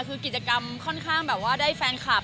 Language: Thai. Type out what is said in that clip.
คือกิจกรรมค่อนข้างแบบว่าได้แฟนคลับ